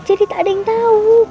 jadi tak ada yang tau